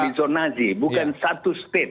jadi zona sih bukan satu state